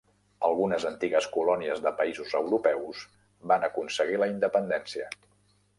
Algunes antigues colònies de països europeus van aconseguir la independència.